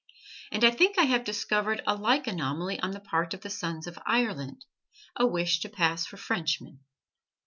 And I think I have discovered a like anomaly on the part of the sons of Ireland a wish to pass for Frenchmen.